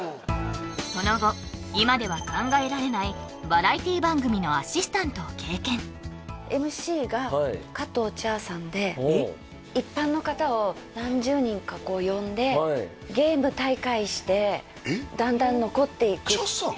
その後今では考えられないバラエティ番組のアシスタントを経験一般の方を何十人か呼んでゲーム大会してだんだん残っていくっていうえっ茶さん？